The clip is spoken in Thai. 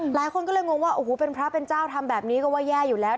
หลายคนก็เลยงงว่าโอ้โหเป็นพระเป็นเจ้าทำแบบนี้ก็ว่าแย่อยู่แล้ว